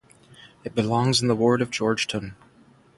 It belongs in the ward of Georgetown.